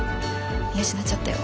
見失っちゃったよ。